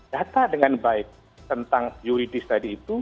data dengan baik tentang yuridis tadi itu